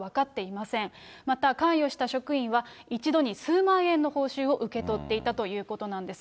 また、関与した職員は、一度に数万円の報酬を受け取っていたということなんです。